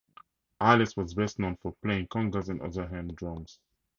Alias was best known for playing congas and other hand drums.